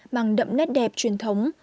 bằng đậm nét đẹp truyền thống